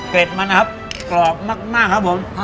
เก็ดมันครับกรอบมากครับผม